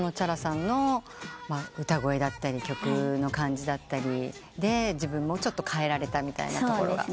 Ｃｈａｒａさんの歌声だったり曲の感じだったりで自分もちょっと変えられたみたいなところが。